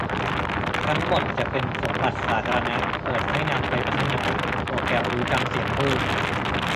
ทั้งหมดจะเป็นสมบัติสาธารณะ เปิดให้นำไปพัฒนาโปรแกรมรู้จำเสียงพูด